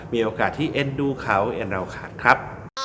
มีโอกาสที่เอ็นดูเขาเอ็นเราขาดครับ